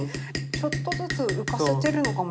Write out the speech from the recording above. ちょっとずつ浮かせてるのかもしれない。